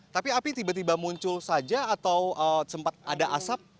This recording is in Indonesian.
tapi api tiba tiba muncul saja atau sempat ada asap